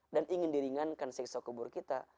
dan ingin diringankan siksa kubur kita